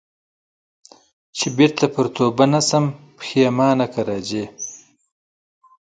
چي بیرته پر توبه نه سم پښېمانه که راځې